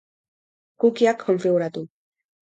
Cookie-ak konfiguratu.